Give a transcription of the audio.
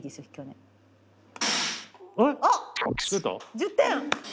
１０点！